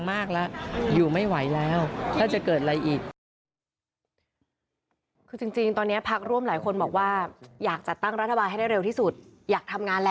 อะไรอีก